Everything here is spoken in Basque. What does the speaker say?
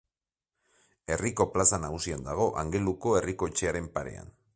Herriko plaza nagusian dago, Angeluko herriko etxearen parean.